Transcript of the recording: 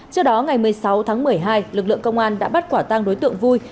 trước đó ngày một mươi sáu tháng một mươi hai lực lượng công an đã bắt quả tang đối tượng vui